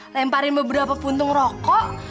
lemparin beberapa puntung rokok